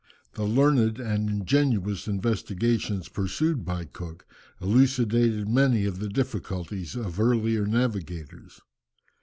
The learned and ingenious investigations pursued by Cook elucidated many of the difficulties of earlier navigators.